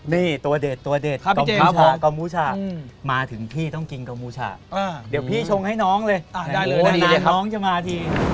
นี่ตัวเด็ดกอมบูช่ามาถึงพี่ต้องกินกอมบูช่าเดี๋ยวพี่ชงให้น้องเลยนานน้องจะมาที